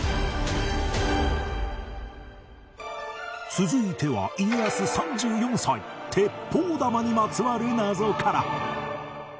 続いては家康３４歳鉄砲玉にまつわる謎から